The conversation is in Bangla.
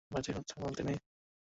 বাজে কথা বলতে নেই।